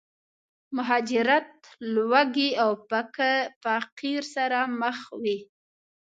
مهاجرت، لوږې او فقر سره مخ وي.